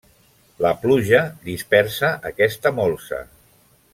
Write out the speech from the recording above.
La pluja dispersa aquesta molsa.